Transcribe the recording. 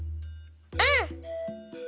うん！